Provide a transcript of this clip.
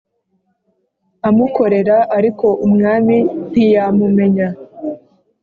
Amukorera ariko umwami ntiyamumenya.